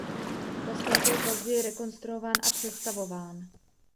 Kostel byl později rekonstruován a přestavován.